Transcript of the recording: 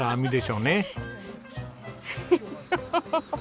ハハハハハ！